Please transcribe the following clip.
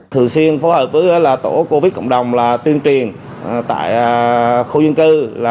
thường xuyên phối hợp với tổ covid một mươi chín cộng đồng là tuyên truyền tại khu dân cư